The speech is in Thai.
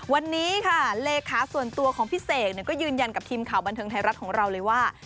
วันนี้ค่ะเลขาส่วนตัวของพี่เสกก็ยืนยันกับทีมข่าวบันเทิงไทยรัฐของเราเลยว่า